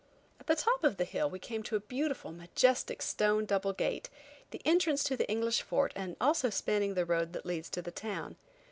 At the top of the hill we came to a beautiful, majestic, stone double gate, the entrance to the English fort and also spanning the road that leads to the town.